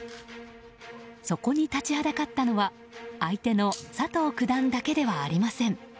そこに立ちはだかったのは相手の佐藤九段だけではありません。